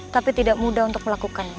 tapi tidak mudah untuk melakukan